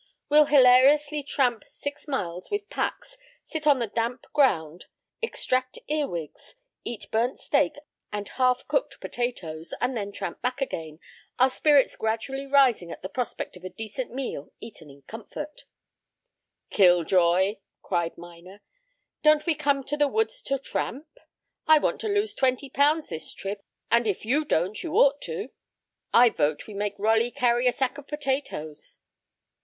We'll hilariously tramp six miles with packs, sit on the damp ground, extract earwigs, eat burnt steak and half cooked potatoes, and then tramp back again, our spirits gradually rising at the prospect of a decent meal eaten in comfort " "Kill joy!" cried Minor. "Don't we come to the woods to tramp? I want to lose twenty pounds this trip, and if you don't you ought to. I vote we make Rolly carry a sack of potatoes."